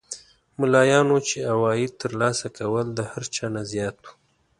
ملایانو چې عواید تر لاسه کول د هر چا نه زیات وو.